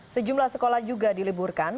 sejumlah sekolah juga diliburkan